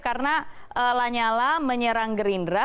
karena lanya lah menyerang gerindra